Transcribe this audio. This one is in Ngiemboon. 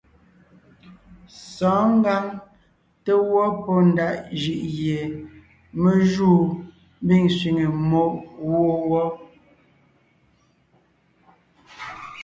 Sɔ̌ɔn ngǎŋ té gwɔ́ pɔ́ ndaʼ jʉʼ gie me júu mbiŋ sẅiŋe mmó wó wɔ́.